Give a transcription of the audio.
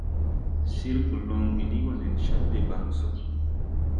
Sir Golonguini go nen Chad debaŋ so.